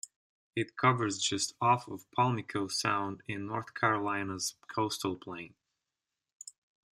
It covers just off of Pamlico Sound, in North Carolina's Coastal Plain.